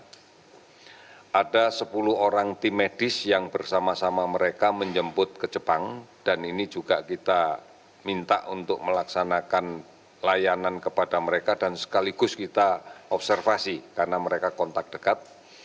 ada sepuluh orang tim medis yang bersama sama mereka menjemput ke jepang dan ini juga kita minta untuk melaksanakan layanan kepada mereka dan sekaligus kita observasi karena mereka kontak dekat